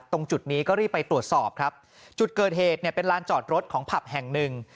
ตรงจุดนี้ก็รีบไปตรวจสอบครับจุดเกิดเหตุเนี่ยเป็นลานจอดรถของผับแห่งหนึ่ง